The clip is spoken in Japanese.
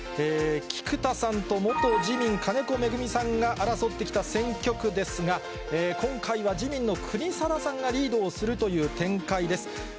菊田さんと元自民、金子恵美さんが争ってきた選挙区ですが、今回は自民の国定さんがリードをするという展開です。